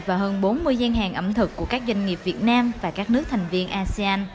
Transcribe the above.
và hơn bốn mươi gian hàng ẩm thực của các doanh nghiệp việt nam và các nước thành viên asean